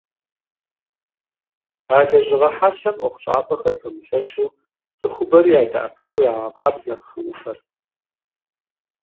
А лэжьыгъэ хьэлъэм ӀуэхущӀапӀэхэр пэмылъщу, цӀыхубэри ядэӀэпыкъуу ягъэкъабзэ хы Ӏуфэр.